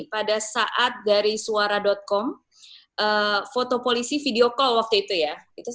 pada saat dari suara com foto polisi video call waktu itu ya